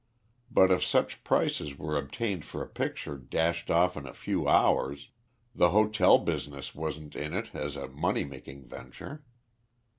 But if such prices were obtained for a picture dashed off in a few hours, the hotel business wasn't in it as a money making venture.